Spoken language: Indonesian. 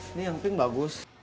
ini yang pink bagus